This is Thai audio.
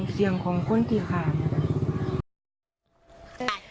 เสียงของคนที่ขาด